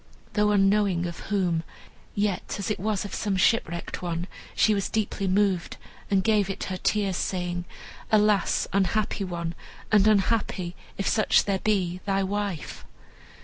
Though unknowing of whom, yet, as it was of some shipwrecked one, she was deeply moved, and gave it her tears, saying, "Alas! unhappy one, and unhappy, if such there be, thy wife!"